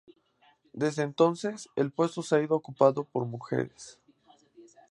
Desde entonces, el puesto ha sido ocupado por mujeres.